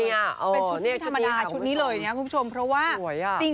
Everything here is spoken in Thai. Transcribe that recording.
เป็นชุดไม่ธรรมดาชุดนี้เลยนะคุณผู้ชมเพราะว่าสวยอ่ะ